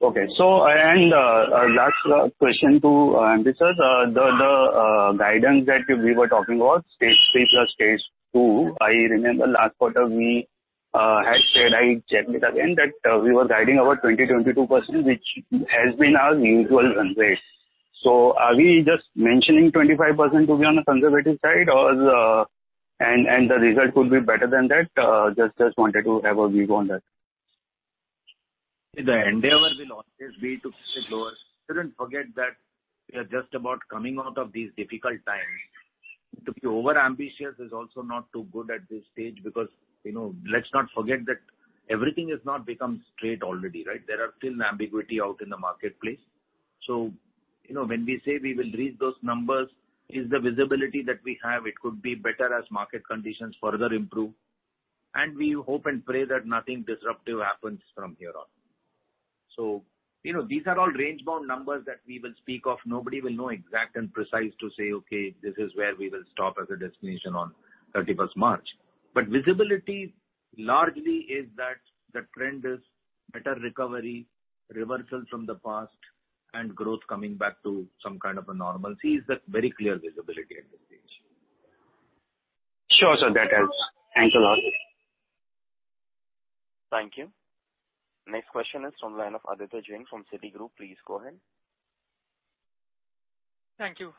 Okay. Last question to answer, sir. The guidance that we were talking about, Stage 3 + Stage 2, I remember last quarter we had said, I checked it again, that we were guiding our 22%, which has been our usual run rate. Are we just mentioning 25% to be on a conservative side, and the result could be better than that? Just wanted to have a view on that. The endeavor will always be to keep it lower. We shouldn't forget that we are just about coming out of these difficult times. To be overambitious is also not too good at this stage because, let's not forget that everything has not become straight already, right? There are still ambiguity out in the marketplace. when we say we will reach those numbers, is the visibility that we have it could be better as market conditions further improve. We hope and pray that nothing disruptive happens from here on. these are all range-bound numbers that we will speak of. Nobody will know exact and precise to say, "Okay, this is where we will stop as a destination on thirty-first March." The visibility largely is that the trend is better recovery, reversal from the past and growth coming back to some a normalcy. It is a very clear visibility at this stage. Sure, sir. That helps. Thanks a lot. Thank you. Next question is from line of Aditya Jain from Citigroup. Please go ahead. Thank you.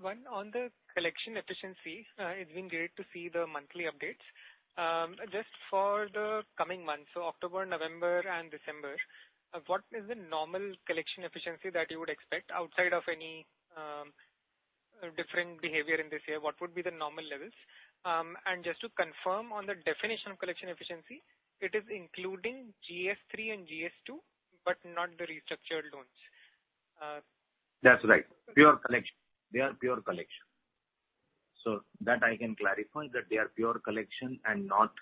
One on the collection efficiency. It's been great to see the monthly updates. Just for the coming months, so October, November and December, what is the normal collection efficiency that you would expect outside of any different behavior in this year? What would be the normal levels? Just to confirm on the definition of collection efficiency, it is including Stage 3 and Stage 2, but not the restructured loans. That's right. Pure collection. They are pure collection. So that I can clarify that they are pure collection and not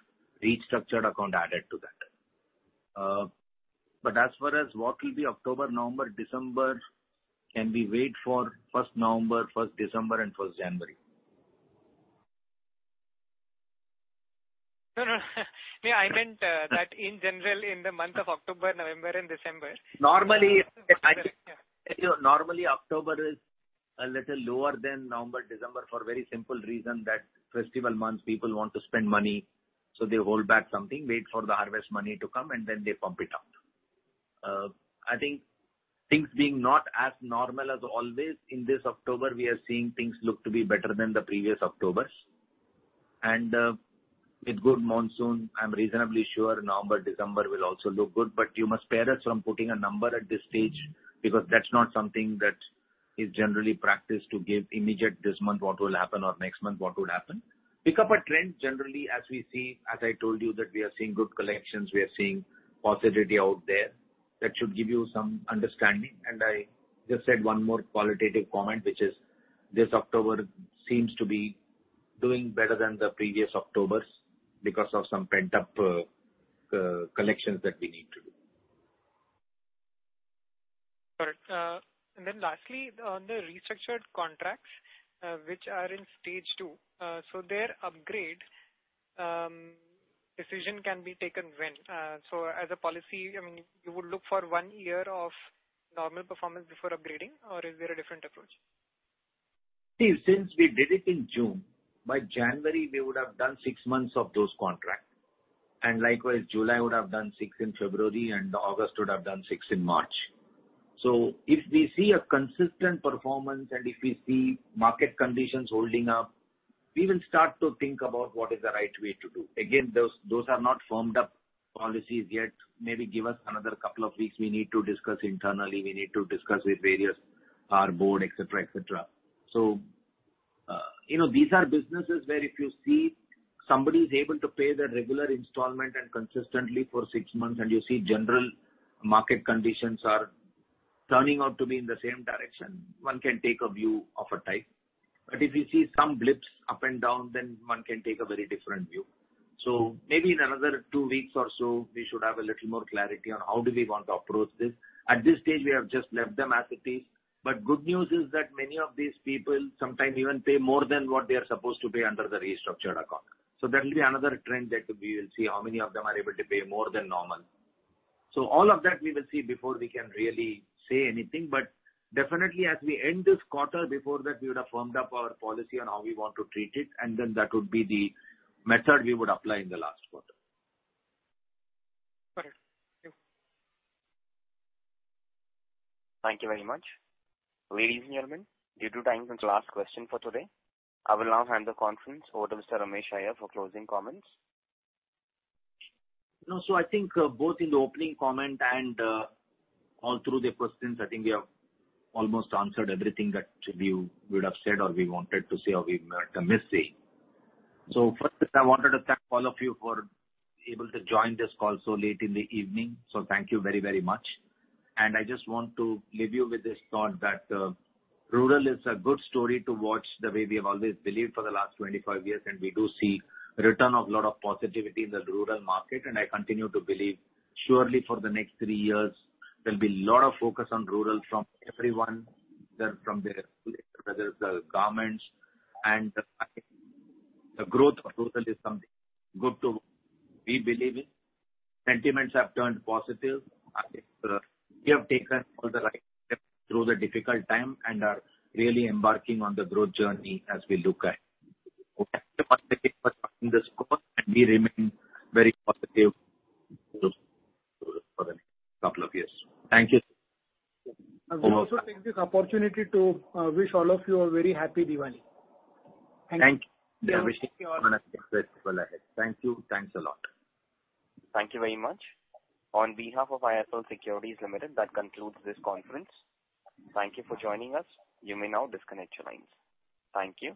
restructured account added to that. As far as what will be October, November, December, can we wait for 1 November, 1 December and 1 January? No, no. that in general, in the month of October, November and December. Normally October is a little lower than November, December for very simple reason that festival month people want to spend money, so they hold back something, wait for the harvest money to come, and then they pump it out. I think things being not as normal as always, in this October we are seeing things look to be better than the previous Octobers. With good monsoon, I'm reasonably sure November, December will also look good. You must spare us from putting a number at this stage because that's not something that is generally practiced to give immediate this month what will happen or next month what would happen. Pick up a trend generally as we see, as I told you, that we are seeing good collections, we are seeing positivity out there. That should give you some understanding I just said one more qualitative comment, which is this October seems to be doing better than the previous Octobers because of some pent-up collections that we need to do. Correct. Lastly, on the restructured contracts, which are in Stage 2, so their upgrade decision can be taken when? As a policy, you would look for 1 year of normal performance before upgrading, or is there a different approach? See, since we did it in June, by January, we would have done 6 months of those contracts. Likewise, July would have done six in February, and August would have done six in March. If we see a consistent performance and if we see market conditions holding up, we will start to think about what is the right way to do. Again, those are not firmed up policies yet. Maybe give us another couple of weeks. We need to discuss internally. We need to discuss with various, our board, et cetera, et cetera. these are businesses where if you see somebody is able to pay their regular installment and consistently for 6 months, and you see general market conditions are turning out to be in the same direction, one can take a view of a type. If you see some blips up and down, then one can take a very different view. Maybe in another two weeks or so, we should have a little more clarity on how do we want to approach this. At this stage, we have just left them as it is. Good news is that many of these people sometimes even pay more than what they are supposed to pay under the restructured account. That will be another trend that we will see how many of them are able to pay more than normal. All of that we will see before we can really say anything. Definitely as we end this quarter, before that, we would have firmed up our policy on how we want to treat it, and then that would be the method we would apply in the last quarter. Correct. Thank you. Thank you very much. Ladies and gentlemen, due to time, that's the last question for today. I will now hand the conference over to Mr. Ramesh Iyer for closing comments. No. I think both in the opening comment and, all through the questions, I think we have almost answered everything that we would have said or we wanted to say or we might have missed saying. First, I wanted to thank all of you for able to join this call so late in the evening. Thank you very, very much. I just want to leave you with this thought that, rural is a good story to watch, the way we have always believed for the last 25 years, and we do see return of a lot of positivity in the rural market. I continue to believe surely for the next 3 years there'll be a lot of focus on rural from everyone, whether from the governments and the growth of rural is something good to, we believe in. Sentiments have turned positive. I think, we have taken all the right steps through the difficult time and are really embarking on the growth journey as we look at this call, and we remain very positive for the next couple of years. Thank you, sir. I also take this opportunity to wish all of you a very happy Diwali. Thank you. We are wishing well ahead. Thank you. Thanks a lot. Thank you very much. On behalf of IIFL Securities Limited, that concludes this conference. Thank you for joining us. You may now disconnect your lines. Thank you.